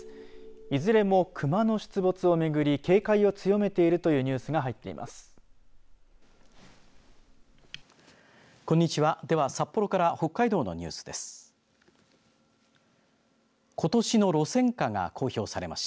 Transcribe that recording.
いずれもクマの出没をめぐり警戒を強めているというニュースが入っています。